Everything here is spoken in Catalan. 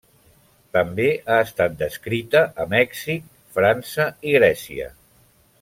També ha estat descrita a Mèxic, França i Grècia.